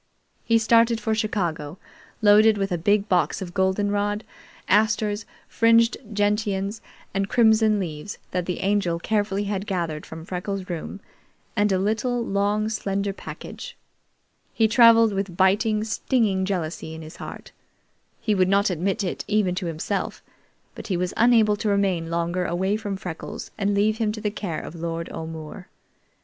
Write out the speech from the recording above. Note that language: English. He started for Chicago, loaded with a big box of goldenrod, asters, fringed gentians, and crimson leaves, that the Angel carefully had gathered from Freckles' room, and a little, long slender package. He traveled with biting, stinging jealousy in his heart. He would not admit it even to himself, but he was unable to remain longer away from Freckles and leave him to the care of Lord O'More.